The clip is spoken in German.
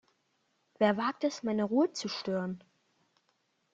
Wer wagt es, meine Ruhe zu stören?